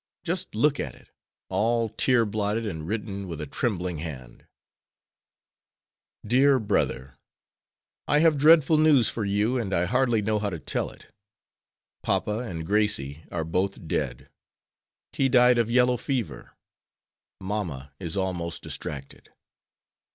Just look at it, all tear blotted and written with a trembling hand: 'DEAR BROTHER: I have dreadful news for you and I hardly know how to tell it. Papa and Gracie are both dead. He died of yellow fever. Mamma is almost distracted.